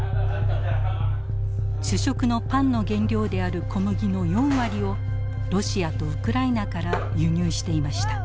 主食のパンの原料である小麦の４割をロシアとウクライナから輸入していました。